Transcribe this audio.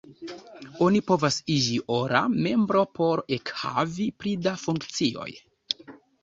Oni povas iĝi ora membro por ekhavi pli da funkcioj.